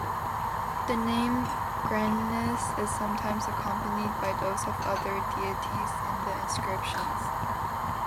The name Grannus is sometimes accompanied by those of other deities in the inscriptions.